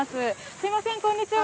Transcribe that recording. すみません、こんにちは。